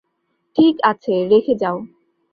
ঠিক আছে, রেখে যাও।